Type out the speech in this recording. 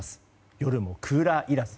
夜もクーラーいらず。